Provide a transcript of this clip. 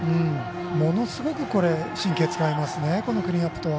ものすごく神経を使いますクリーンナップとは。